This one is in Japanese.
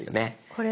これ？